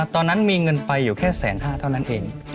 ตอนนั้นมีเงินไปอยู่แค่๑๕๐๐เท่านั้นเอง